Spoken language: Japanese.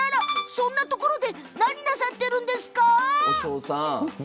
そんなところで何をなさっているんですか？